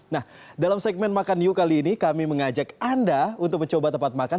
nah dalam segmen makan new kali ini kami mengajak anda untuk mencoba tempat makan